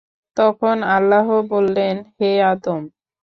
তখন আল্লাহ বললেন, হে আদম!